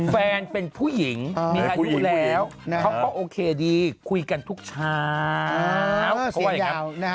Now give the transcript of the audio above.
แฟนเป็นผู้หญิงมีอายุแล้วเขาก็โอเคดีคุยกันทุกเช้าคุยกัน